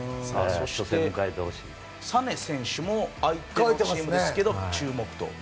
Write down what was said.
そして、サネ選手も相手のチームですけど注目と。